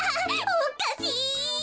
おっかしい！